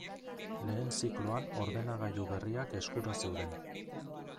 Lehen zikloan ordenagailu berriak eskura zeuden.